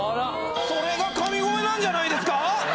それが神声なんじゃないですか？